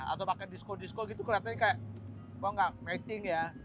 atau pakai disco disco gitu kelihatannya kayak kok gak matting ya